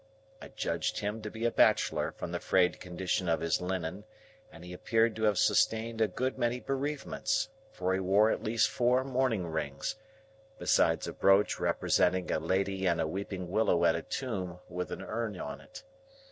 I judged him to be a bachelor from the frayed condition of his linen, and he appeared to have sustained a good many bereavements; for he wore at least four mourning rings, besides a brooch representing a lady and a weeping willow at a tomb with an urn on it.